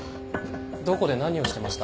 どこで何をしてました？